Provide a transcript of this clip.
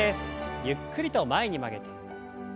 ゆっくりと前に曲げて。